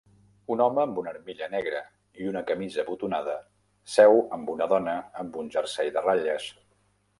Un home amb una armilla negra i una camisa botonada seu amb una dona amb un jersei de ratlles